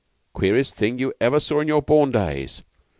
Queerest thing you ever saw in your born days!